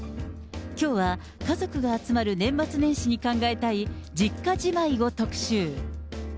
きょうは家族が集まる年末年始に考えたい、実家じまいを特集。